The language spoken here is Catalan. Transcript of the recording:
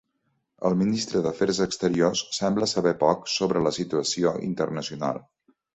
El ministre d'afers exteriors sembla saber poc sobre la situació internacional.